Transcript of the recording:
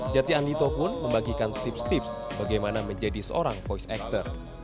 jati andito pun membagikan tips tips bagaimana menjadi seorang voice actor